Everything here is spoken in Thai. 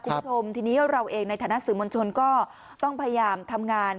คุณผู้ชมทีนี้เราเองในฐานะสื่อมวลชนก็ต้องพยายามทำงาน